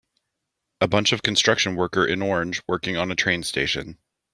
A bunch of construction worker in orange working on a train station.